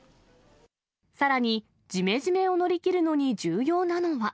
さらに、じめじめを乗り切るのに重要なのは。